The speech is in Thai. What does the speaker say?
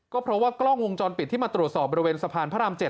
ก็เพราะว่ากล้องวงจรปิดที่มาตรวจสอบบริเวณสะพานพระราม๗